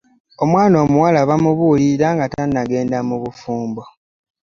Omwana omuwala bamubulirira nga tanagenda mu bufumbo.